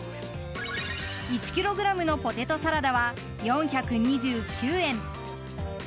１ｋｇのポテトサラダは４２９円。